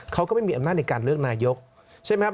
เขาก็ไม่มีอำนาจในการเลือกนายกใช่ไหมครับ